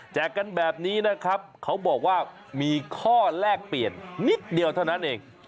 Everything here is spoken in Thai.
กันแบบนี้นะครับเขาบอกว่ามีข้อแลกเปลี่ยนนิดเดียวเท่านั้นเอง